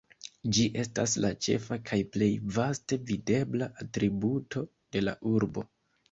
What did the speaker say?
Ĝi estas la ĉefa kaj plej vaste videbla atributo de la urbo.